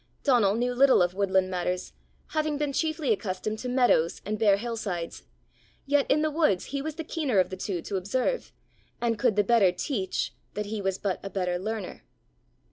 Donal knew little of woodland matters, having been chiefly accustomed to meadows and bare hill sides; yet in the woods he was the keener of the two to observe, and could the better teach that he was but a better learner.